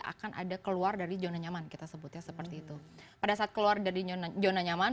akan ada keluar dari zona nyaman kita sebutnya seperti itu pada saat keluar dari zona nyaman